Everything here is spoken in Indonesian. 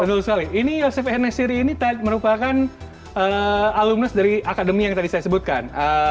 betul sekali ini yosef nscri ini merupakan alumnus dari akademi yang tadi saya sebutkan